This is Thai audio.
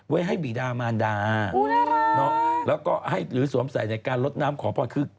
ให้บีดามารดาแล้วก็ให้หรือสวมใส่ในการลดน้ำขอพรคือ